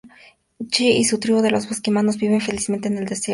Xi y su tribu de bosquimanos viven felizmente en el desierto del Kalahari.